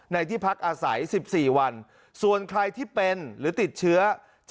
ที่พักอาศัย๑๔วันส่วนใครที่เป็นหรือติดเชื้อ